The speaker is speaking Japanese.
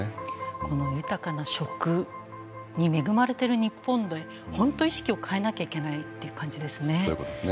この豊かな食に恵まれてる日本で本当意識を変えなきゃいけないという感じですね。